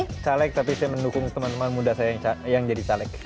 saya caleg tapi saya mendukung teman teman muda saya yang jadi caleg